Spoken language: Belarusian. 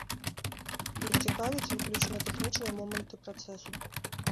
Іх цікавяць выключна тэхнічныя моманты працэсу.